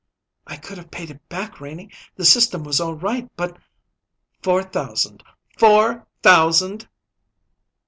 "I could have paid it back, Renie; the system was all right, but " "Four thousand! Four thousand!"